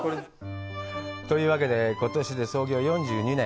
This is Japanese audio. というわけで、ことしで創業４２年。